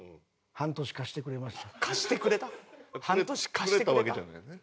半年貸してくれました。